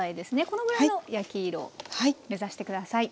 このぐらいの焼き色目指して下さい。